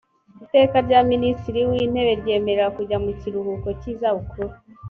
iteka rya minisitiri w intebe ryemerera kujya mu kiruhuko cy izabukuru